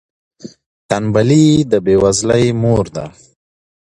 تنبلي د بې وزلۍ مور ده.